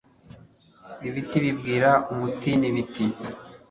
ibiti bibwira umutini, biti